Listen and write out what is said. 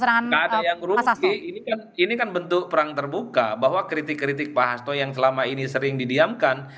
nggak ada yang rugi ini kan bentuk perang terbuka bahwa kritik kritik pak hasto yang selama ini sering didiamkan